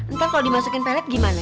ntar kalo dimasukin pelet gimana